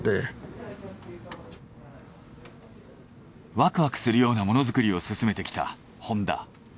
ワクワクするようなものづくりを進めてきたホンダ。